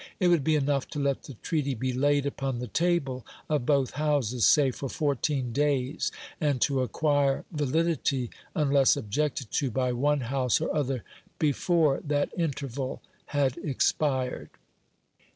It would be enough to let the treaty be laid upon the table of both Houses, say for fourteen days, and to acquire validity unless objected to by one House or other before that interval had expired.